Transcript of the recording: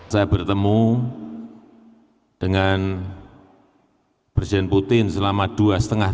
saya bertemu dengan presiden putin selama dua lima jam di sekolah